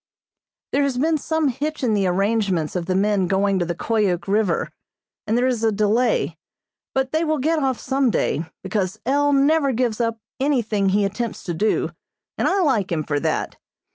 There has been some hitch in the arrangements of the men going to the Koyuk River, and there is a delay, but they will get off some day, because L. never gives up anything he attempts to do, and I like him for that.